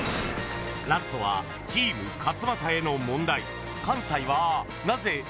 ［ラストはチーム勝俣への問題］